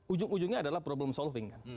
ujung ujungnya adalah problem solving kan